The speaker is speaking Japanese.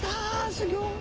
すギョい。